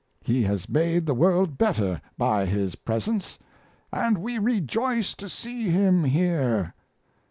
He has made the world better by his presence, and we rejoice to see him here.